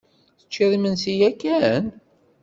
Teččid imensi yakan?